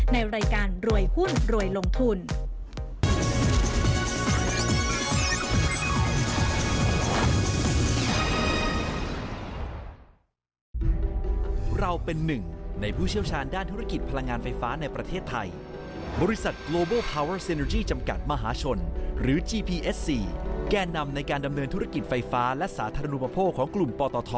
ในรายการรวยหุ้นรวยลงทุน